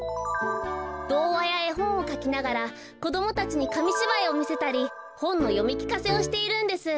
どうわやえほんをかきながらこどもたちにかみしばいをみせたりほんのよみきかせをしているんです。